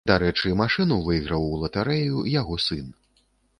Дарэчы, машыну выйграў у латарэю яго сын.